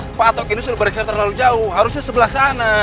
kio oding itu sudah beriksa terlalu jauh harusnya sebelah sana